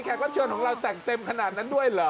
รับเชิญของเราแต่งเต็มขนาดนั้นด้วยเหรอ